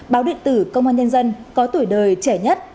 báo điện tử công an nhân dân có tuổi đời trẻ nhất